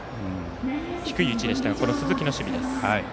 低い位置でしたが鈴木の守備です。